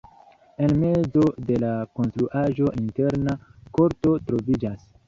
En mezo de la konstruaĵo interna korto troviĝas.